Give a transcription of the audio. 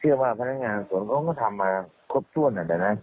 เชื่อว่าพนักงานส่วนก็ทำมาครบถ้วนอาจารย์นะ